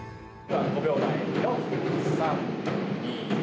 ５秒前４３２１。